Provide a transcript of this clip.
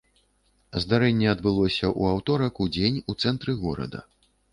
Здарэнне адбылося ў аўторак удзень у цэнтры горада.